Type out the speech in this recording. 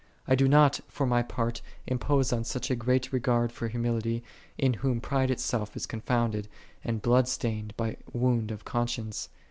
I do not, for my part, impose on such a great regard for humility, in whom pride itself is confounded, and bloodstained by* wound of conscience.